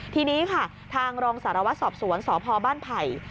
ทีนี้ค่ะทางรองสารวัตรสอบสวนสพบ้านไผ่